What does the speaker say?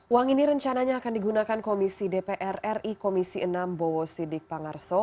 uang ini rencananya akan digunakan komisi dpr ri komisi enam bowo sidik pangarso